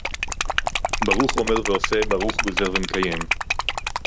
ברוך אומר ועושה, ברוך גוזר ומקיים